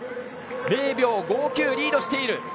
０秒５９リードしている。